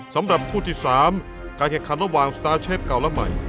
สำหรับคู่ที่๓การแข่งขันระหว่างสตาร์เชฟเก่าและใหม่